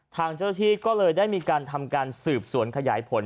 ทางเจ้าที่ก็เลยได้มีการทำการสืบสวนขยายผล